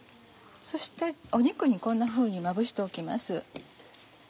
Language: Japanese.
そして肉にこんなふうにまぶしておきます。